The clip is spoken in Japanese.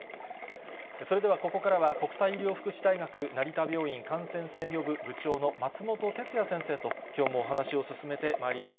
それでは、ここからは国際医療福祉大学成田病院感染制御部部長の松本哲哉先生と、きょうもお話を進めてまいります。